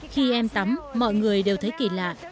khi em tắm mọi người đều thấy kỳ lạ